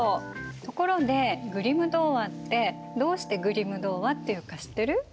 ところで「グリム童話」ってどうして「グリム童話」って言うか知ってる？